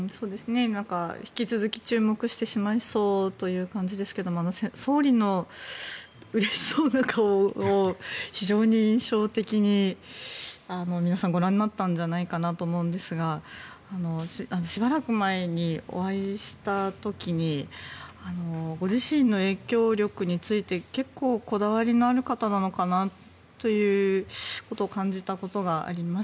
引き続き注目してしまいそうという感じですけど総理のうれしそうな顔を非常に印象的に皆さんご覧になったんじゃないかなと思いますがしばらく前にお会いした時にご自身の影響力について結構こだわりのある方なのかなということを感じたことがありますし。